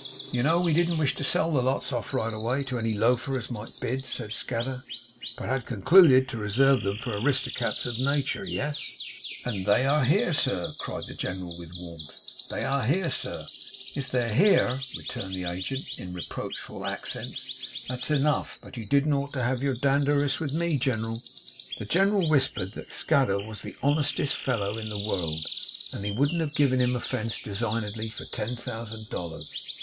'You know we didn't wish to sell the lots off right away to any loafer as might bid,' said Scadder; 'but had con cluded to reserve 'em for Aristocrats of Natur'. Yes!' 'And they are here, sir!' cried the General with warmth. 'They are here, sir!' 'If they air here,' returned the agent, in reproachful accents, 'that's enough. But you didn't ought to have your dander ris with ME, Gen'ral.' The General whispered Martin that Scadder was the honestest fellow in the world, and that he wouldn't have given him offence designedly, for ten thousand dollars.